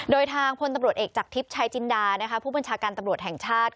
โดยทางพลตำรวจเอกจากทิพย์ชายจินดาผู้บัญชาการตำรวจแห่งชาติ